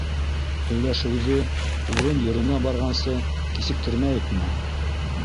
- Һөйләшеүҙе... урын-еренә барғансы кисектермәйекме?